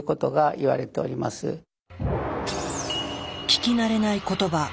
聞きなれない言葉